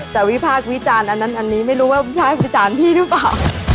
วิพากษ์วิจารณ์อันนั้นอันนี้ไม่รู้ว่าวิภาควิจารณ์พี่หรือเปล่า